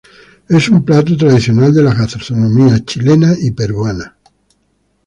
Es un plato tradicional de las gastronomías chilena y peruana.